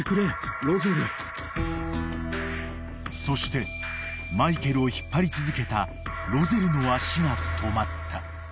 ［そしてマイケルを引っ張り続けたロゼルの足が止まった］